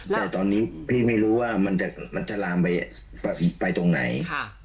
แต่ตอนนี้พี่ไม่รู้ว่ามันจะลามไปตรงไหน